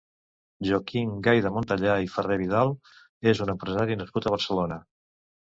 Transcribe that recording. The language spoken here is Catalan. Joaquim Gay de Montellà i Ferrer-Vidal és un empresari nascut a Barcelona.